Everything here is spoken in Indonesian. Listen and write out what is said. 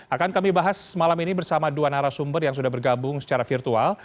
akan kami bahas malam ini bersama dua narasumber yang sudah bergabung secara virtual